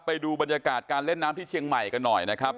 ไปดูบรรยากาศการเล่นน้ำที่เชียงใหม่กันหน่อยนะครับ